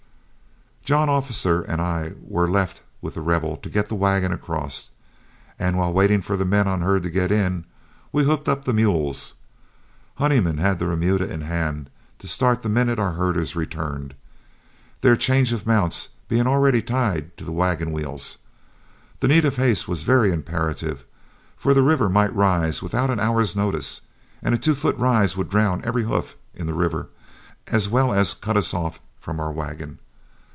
John Officer and I were left with The Rebel to get the wagon across, and while waiting for the men on herd to get in, we hooked up the mules. Honeyman had the remuda in hand to start the minute our herders returned, their change of mounts being already tied to the wagon wheels. The need of haste was very imperative, for the river might rise without an hour's notice, and a two foot rise would drown every hoof in the river as well as cut us off from our wagon.